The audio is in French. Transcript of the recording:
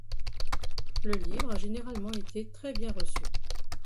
Le livre a généralement été très bien reçu.